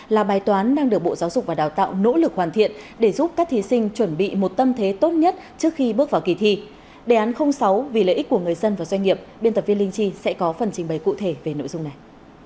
là bài toán đang được bộ giáo dục và đào tạo nỗ lực hoàn thiện để giúp các thí sinh chuẩn bị một tâm thế tốt nhất trước khi bước vào kỳ thi đề án sáu vì lợi ích của người dân và doanh nghiệp biên tập viên linh chi sẽ có phần trình bày cụ thể về nội dung này